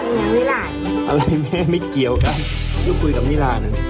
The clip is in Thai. แปลงฟันอย่างเวลาอะไรแม่ไม่เกี่ยวกันอยู่คุยกับเวลาหนึ่ง